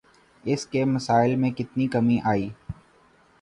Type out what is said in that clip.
اس کے مسائل میں کتنی کمی آئی؟